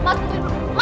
mas ini buktinya